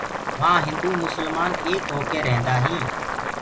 وهآن هندو مسلمآن ايڪ هوڪي ريهدآئين